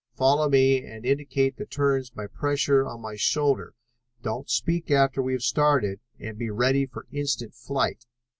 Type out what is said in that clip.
"Follow me and indicate the turns by pressure on my shoulder. Don't speak after we have started, and be ready for instant flight.